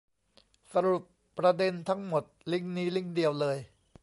สรุปประเด็นทั้งหมดลิงก์นี้ลิงก์เดียวเลย